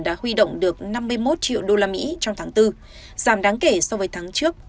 đã huy động được năm mươi một triệu đô la mỹ trong tháng bốn giảm đáng kể so với tháng trước